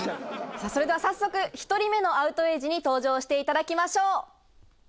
さぁそれでは早速１人目のアウトエイジに登場していただきましょう。